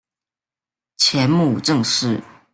前母郑氏。